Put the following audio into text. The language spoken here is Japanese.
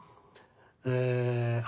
えあ